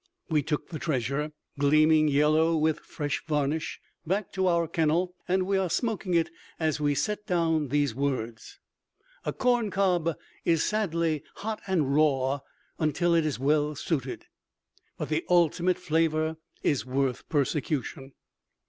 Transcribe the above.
We took the treasure, gleaming yellow with fresh varnish, back to our kennel, and we are smoking it as we set down these words. A corncob is sadly hot and raw until it is well sooted, but the ultimate flavor is worth persecution.